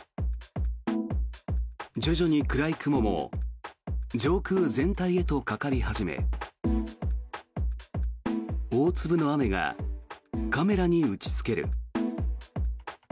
徐々に暗い雲も上空全体へとかかり始め大粒の雨がカメラに打ちつける。